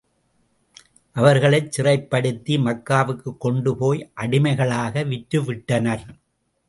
அவர்களைச் சிறைப்படுத்தி மக்காவுக்குக் கொண்டு போய் அடிமைகளாக விற்றுவிட்டனர்.